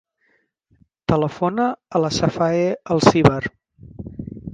Telefona a la Safae Alcivar.